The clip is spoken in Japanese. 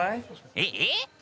えっえっ？